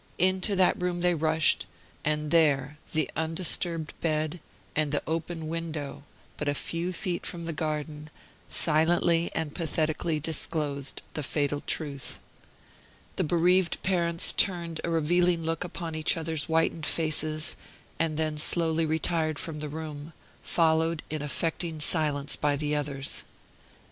Into that room they rushed, and there the undisturbed bed, and the open window, but a few feet from the garden, silently and pathetically disclosed the fatal truth. The bereaved parents turned a revealing look upon each other's whitened faces, and then slowly retired from the room, followed in affecting silence by the others.